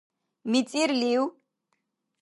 МицӀирлив?